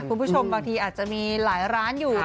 คุณผู้ชมบางทีอาจจะมีหลายร้านอยู่